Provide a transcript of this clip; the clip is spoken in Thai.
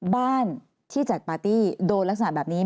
บ้านที่จัดปาร์ตี้โดนลักษณะแบบนี้